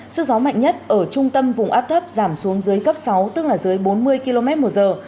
sức gió mạnh nhất ở trung tâm vùng áp thấp giảm xuống dưới cấp sáu tức là dưới bốn mươi km một giờ